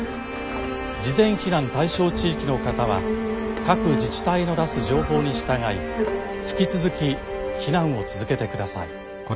事前避難対象地域の方は各自治体の出す情報に従い引き続き避難を続けてください。